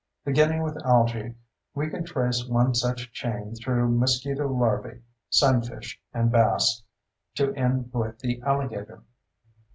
Beginning with algae, we can trace one such chain through mosquito larvae, sunfish, and bass, to end with the alligator.